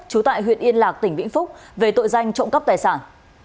trú tại huyện yên lạc tỉnh vĩnh phúc về tội danh trộm cắp tài sản